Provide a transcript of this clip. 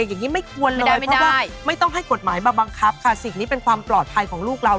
อย่างนี้ไม่ควรไม่ได้ว่าไม่ต้องให้กฎหมายมาบังคับค่ะสิ่งนี้เป็นความปลอดภัยของลูกเรา